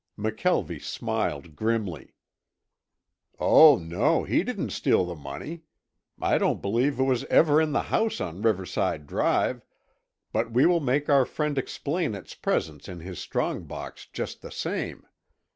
McKelvie smiled grimly. "Oh, no, he didn't steal the money. I don't believe it was ever in the house on Riverside Drive, but we will make our friend explain its presence in his strong box just the same.